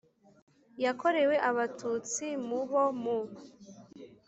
yakorewe Abatutsi mu bo mu